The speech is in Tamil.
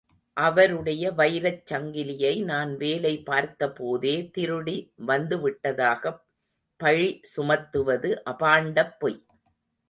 அவருடைய வைரச் சங்கிலியை நான் வேலை பார்த்தபோதே திருடி வந்து விட்டதாகப் பழி சுமத்துவது அபாண்டப் பொய்.